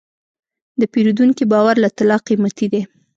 د پیرودونکي باور له طلا قیمتي دی.